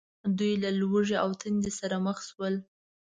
دوی له ولږې او تندې سره مخ شول.